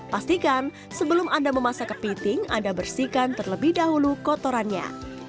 pastikan sebelum anda memasak kepiting anda bersihkan terlebih dahulu kotorannya